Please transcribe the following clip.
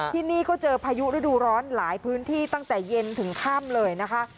ที่นี่ก็เจอพายุฤดูร้อนหลายพื้นที่ตั้งแต่เย็นถึงค่ำเลยนะคะ